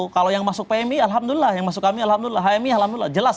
kalau yang masuk pmi alhamdulillah yang masuk kami alhamdulillah hmi alhamdulillah jelas